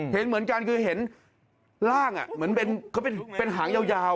เห็นเหมือนกันคือเห็นร่างเหมือนเขาเป็นหางยาว